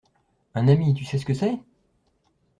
Un ami, tu sais ce que c’est?